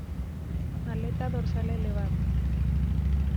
Aleta dorsal elevada.